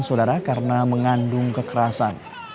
saudara karena mengandung kekerasan